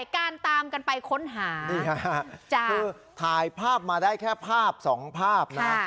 แต่การตามกันไปค้นหาถ่ายภาพมาได้แค่ภาพสองภาพนะ